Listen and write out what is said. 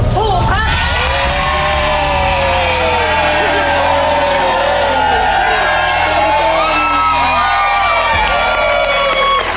ถูกครับ